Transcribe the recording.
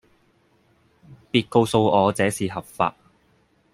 別告訴我這是合法